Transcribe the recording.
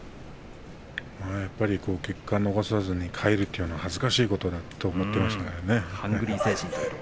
やっぱり結果を残さずに帰るということは恥ずかしいことだと思っていましたよね。